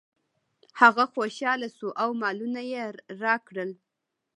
هغه خوشحاله شو او مالونه یې راکړل.